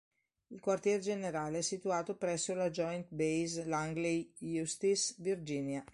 Il quartier generale è situato presso la Joint Base Langley-Eustis, Virginia.